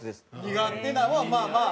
苦手なんはまあまあ。